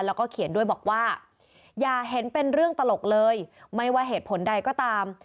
แล้วก็เขียนด้วยบอกว่าอย่าเห็นเป็นเรื่องตลกเลยไม่ว่าเหตุผลใดก็ตาม